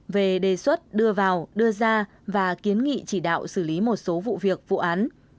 về đề xuất đưa vào đưa ra và kiến nghị chỉ đạo xử lý một số vụ việc vụ án